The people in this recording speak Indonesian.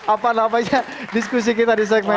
apa namanya diskusi kita di segmen